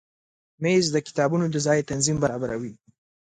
مېز د کتابونو د ځای تنظیم برابروي.